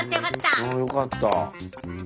あよかった。